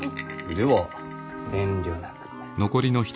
では遠慮なく。